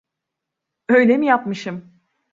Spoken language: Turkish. Öyle mi yapmışım?